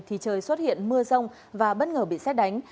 thì trời xuất hiện mưa rông và bất ngờ bị xét đánh